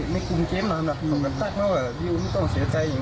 ในกลึงเงินเดือนโขรอบแป้งแบบพี่บิวดั้งองงงจา้าเอง